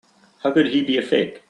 How could he be a fake?